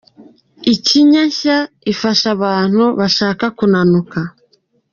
Ikanya nshya ifasha abantu bashaka kunanuka